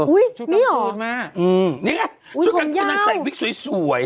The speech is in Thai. อุ๊ยนี่หรอชุดกลางคืนนางใส่วิกสวยสวย